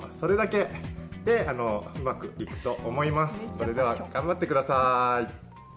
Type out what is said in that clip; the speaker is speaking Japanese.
それでは頑張ってください。